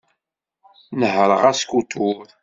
Nehreɣ askutur.